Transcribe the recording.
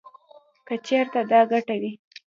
کـه چـېرتـه دا ګـټـه وې.